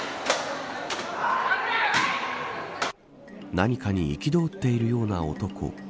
何かに憤っているような男。